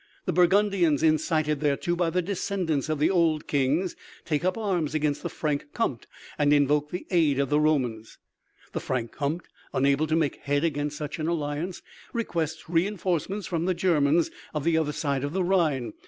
The Burgundians, incited thereto by the descendants of the old kings, take up arms against the Frank Compté and invoke the aid of the Romans. The Frank Compté, unable to make head against such an alliance, requests reinforcements from the Germans of the other side of the Rhine.